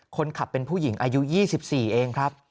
คนขับเป็นผู้หญิงอายุ๒๔เองครับ